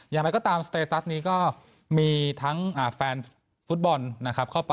อย่างไรก็ตามสเตตัสนี้ก็มีทั้งแฟนฟุตบอลนะครับ